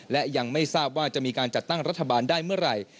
และยังไม่ทราบว่าจะมีการจัดตั้งรัฐบาลได้เมื่อไหร่